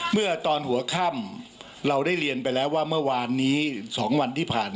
เมื่อตอนหัวค่ำเราได้เรียนไปแล้วว่าเมื่อวานนี้๒วันที่ผ่าน